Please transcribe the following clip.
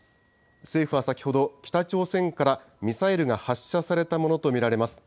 政府は先ほど、北朝鮮からミサイルが発射されたものと見られます。